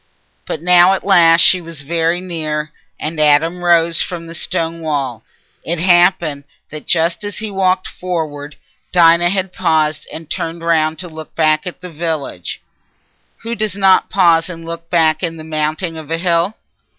But now at last she was very near, and Adam rose from the stone wall. It happened that just as he walked forward, Dinah had paused and turned round to look back at the village—who does not pause and look back in mounting a hill?